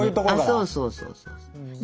そうそうそうそう。